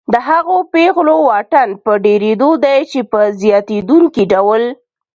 د هغو پیغلو واټن په ډېرېدو دی چې په زیاتېدونکي ډول